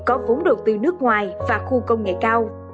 có vốn được từ nước ngoài và khu công nghệ cao